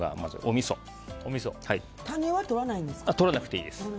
種はとらなくていいんですか？